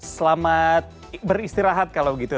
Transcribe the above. selamat beristirahat kalau begitu